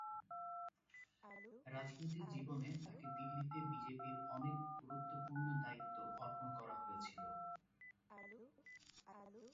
রাজনৈতিক জীবনে তাঁকে দিল্লিতে বিজেপির অনেক গুরুত্বপূর্ণ দায়িত্ব অর্পণ করা হয়েছিল।